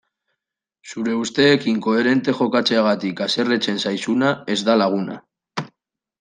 Zure usteekin koherente jokatzeagatik haserretzen zaizuna ez da laguna.